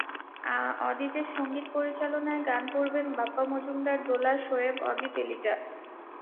অদিতের সংগীত পরিচালনায় গান করবেন বাপ্পা মজুমদার, দোলা, শোয়েব, অদিত, এলিটা।